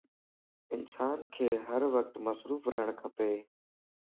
انسانک ھر وقت مصروف رھڻ کپ